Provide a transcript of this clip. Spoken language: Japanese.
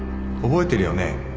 覚えてるよね？